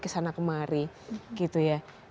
kesana kemari gitu ya